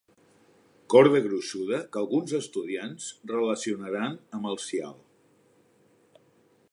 Corda gruixuda que alguns estudiants relacionaran amb el sial.